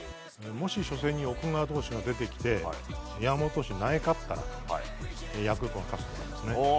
もし初戦に奥川投手が出てきて山本投手に投げ勝ったらヤクルトが勝つと思いますね。